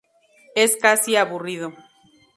Es casi aburrido.